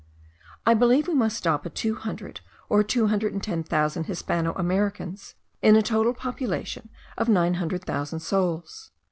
I believe we must stop at two hundred, or two hundred and ten thousand Hispano Americans, in a total population of nine hundred thousand souls.